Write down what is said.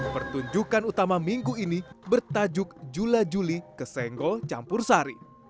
pertunjukan utama minggu ini bertajuk julajuli kesenggol campursari